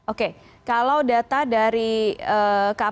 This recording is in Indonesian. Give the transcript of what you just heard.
oke kalau data dari kpai dari komnas perlindungan anak tiga puluh satu kasus ya